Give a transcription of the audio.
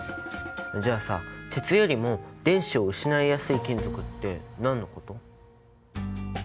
じゃあさ鉄よりも電子を失いやすい金属って何のこと？